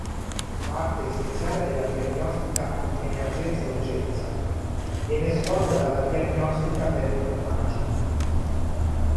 Parte essenziale nella diagnostica in emergenza-urgenza viene svolta dalla diagnostica per immagini.